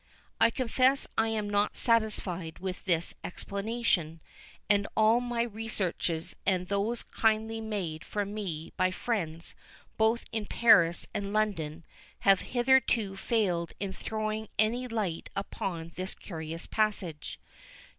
I confess I am not satisfied with this explanation; and all my own researches and those kindly made for me by friends both in Paris and London, have hitherto failed in throwing any light upon this curious passage.